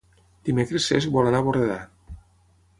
Dimecres en Cesc vol anar a Borredà.